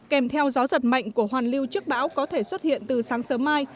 kèm theo gió giật mạnh của hoàn lưu trước bão có thể xuất hiện từ sáng sớm mai